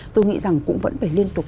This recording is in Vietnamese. tôi nghĩ rằng cũng vẫn phải liên tục